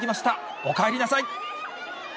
おかえりなさい！